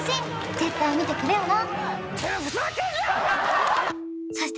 絶対見てくれよな